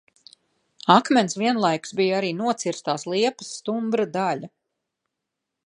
Akmens vienlaikus bija arī nocirstās liepas stumbra daļa...